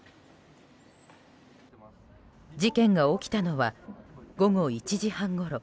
事件が起きたのは午後１時半ごろ。